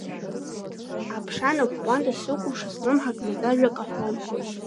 Аԥша нап ҟәанда сыкәырша слымҳаҿ маӡажәак аҳәон.